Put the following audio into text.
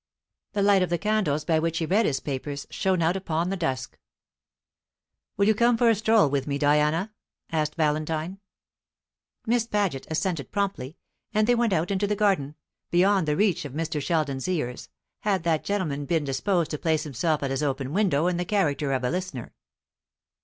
The light of the candles, by which he read his papers, shone out upon the dusk. "Will you come for a stroll with me, Diana?" asked Valentine. Miss Paget assented promptly; and they went out into the garden, beyond the reach of Mr. Sheldon's ears, had that gentleman been disposed to place himself at his open window in the character of a listener.